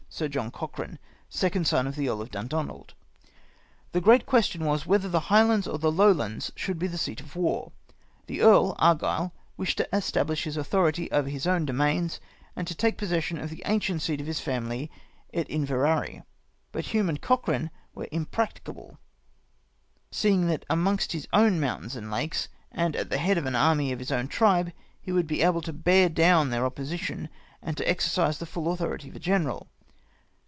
Sir John Cochrane, second son of the Earl of Dundonald. The great question was, whether the Highlands or the Lowlands should be the seat of war. The Earl (Argyle) wished to establish his authority over his own domains, and to take possession of the ancient seat of his family, at Inverary. But Hume and Cochrane were imprac ticable, seeing that amongst his own mountains and lakes, and at the head of an army of his own tribe, he would be able to bear down their opposition, and to exercise the full au thority of a general.